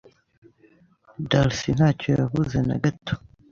Darcy ntacyo yavuze na gato.